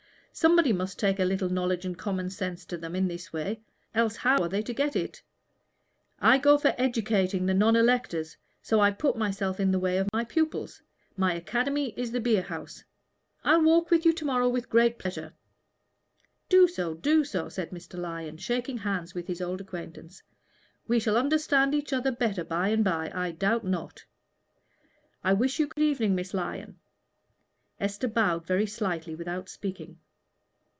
Somebody must take a little knowledge and common sense to them in this way, else how are they to get it? I go for educating the non electors, so I put myself in the way of my pupils my academy is the beer house. I'll walk with you to morrow with pleasure." "Do so, do so," said Mr. Lyon, shaking hands with his odd acquaintance. "We shall understand each other better by and by, I doubt not." "I wish you good evening, Miss Lyon." Esther bowed very slightly, without speaking.